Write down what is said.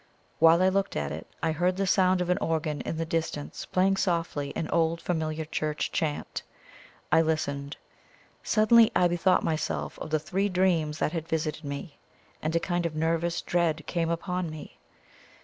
While I looked at it, I heard the sound of an organ in the distance playing softly an old familiar church chant. I listened. Suddenly I bethought myself of the three dreams that had visited me, and a kind of nervous dread came upon me.